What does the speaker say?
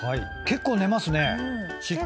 結構寝ますね。